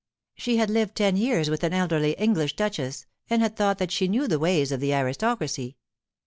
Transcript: She had lived ten years with an elderly English duchess, and had thought that she knew the ways of the aristocracy.